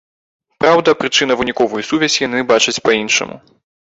Праўда, прычынна-выніковую сувязь яны бачаць па-іншаму.